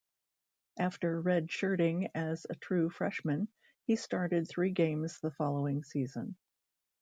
After redshirting as a true freshman, he started three games the following season.